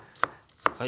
はい。